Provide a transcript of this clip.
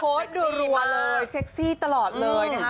โพสต์ดูลัวเลยเซ็กซี่ตลอดเลยนะฮะ